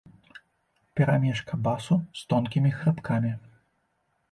Перамешка басу з тонкімі хрыпкамі.